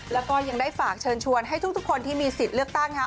แล้วก็ยังได้ฝากเชิญชวนให้ทุกคนที่มีสิทธิ์เลือกตั้ง